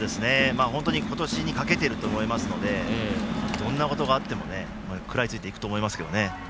本当に今年にかけていると思いますのでどんなことがあっても食らいついていくと思いますけどね。